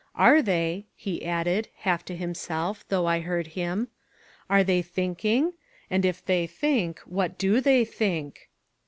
Are they," he added, half to himself, though I heard him, "are they thinking? And, if they think, what do they think?"